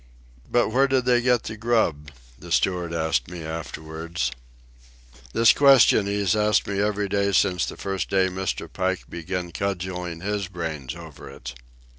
"But where did they get the grub?" the steward asked me afterwards. This question he has asked me every day since the first day Mr. Pike began cudgelling his brains over it.